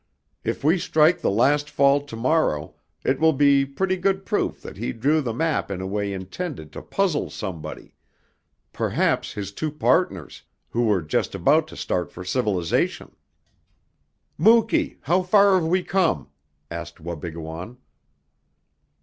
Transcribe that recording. If we strike the last fall to morrow it will be pretty good proof that he drew the map in a way intended to puzzle somebody, perhaps his two partners, who were just about to start for civilization." "Muky, how far have we come?" asked Wabigoon.